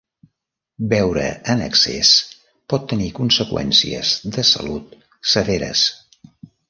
Beure en excés pot tenir conseqüències de salut severes.